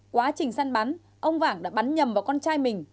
quá trình săn bắn ông vàng đã bắn nhầm vào con trai mình